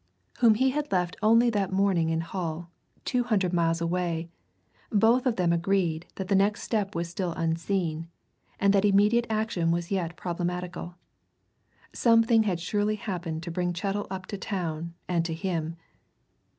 whom he had left only that morning in Hull, two hundred miles away, both of them agreed that the next step was still unseen, and that immediate action was yet problematical. Something had surely happened to bring Chettle up to town and to him.